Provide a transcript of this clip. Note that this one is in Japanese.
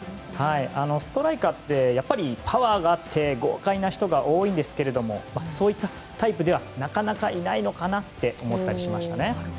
ストライカーってやっぱりパワーがあって豪快な人が多いんですけどそういったタイプではなかなかいないのかなと思ったりしましたね。